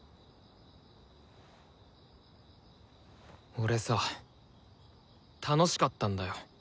俺さ楽しかったんだよ。